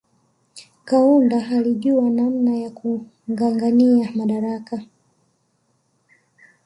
Kaunda alijua namna ya kungangania madarakani